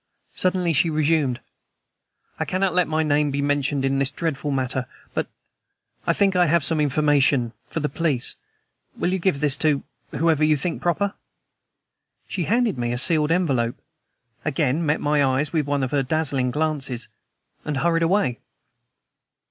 Suddenly she resumed: "I cannot let my name be mentioned in this dreadful matter, but I think I have some information for the police. Will you give this to whomever you think proper?" She handed me a sealed envelope, again met my eyes with one of her dazzling glances, and hurried away.